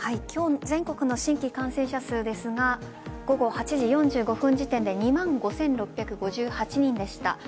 今日の全国の新規感染者数ですが午後８時４５分時点で２万５６５８人でした。